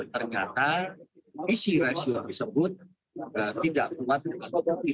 ternyata visi rasio yang disebut tidak kuat atau tidak baik